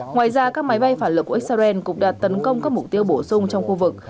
ngoài ra các máy bay phản lực của israel cũng đã tấn công các mục tiêu bổ sung trong khu vực